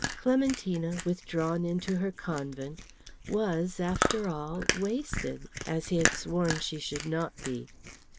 Clementina, withdrawn into her convent, was, after all, "wasted," as he had sworn she should not be.